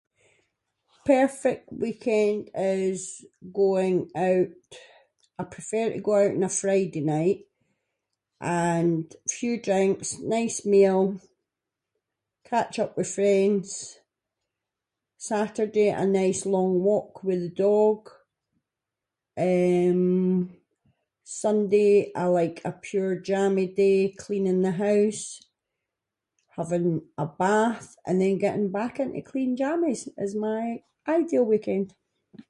Perfect weekend is going out. I prefer to go out on a Friday night, and few drinks, nice meal, catch up with friends. Saturday, a nice long walk with the dog, eh, Sunday I like a pure jammie day, cleaning the house, having a bath, and then getting back into clean jammies, is my ideal weekend.